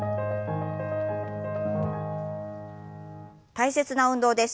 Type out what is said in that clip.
大切な運動です。